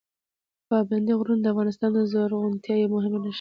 پابندي غرونه د افغانستان د زرغونتیا یوه مهمه نښه ده.